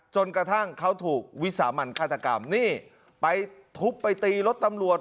จนกระทั่งเขาถูกวิสามันฆาตกรรมนี่ไปทุบไปตีรถตำรวจ